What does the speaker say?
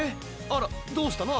あらどうしたの？